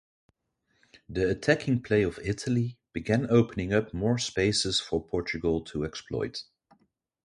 The attacking play of Italy began opening up more spaces for Portugal to exploit.